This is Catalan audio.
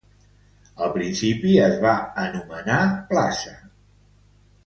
Al principi es va anomenar Madrid Plaza.